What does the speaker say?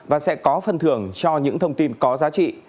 và sẽ có phần thưởng cho những thông tin có giá trị